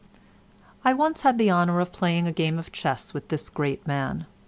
I once had the honour of playing a game of chess with this great man.